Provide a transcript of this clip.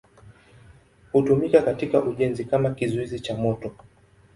Hutumika katika ujenzi kama kizuizi cha moto.